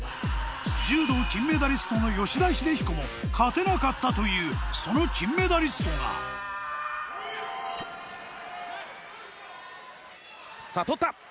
柔道金メダリストの吉田秀彦も勝てなかったというその金メダリストがさあ取った！